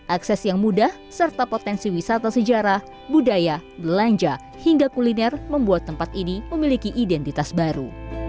akses yang mudah serta potensi wisata sejarah budaya belanja hingga kuliner membuat tempat ini memiliki identitas baru